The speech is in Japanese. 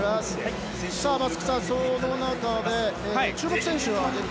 松木さん、その中で注目選手は？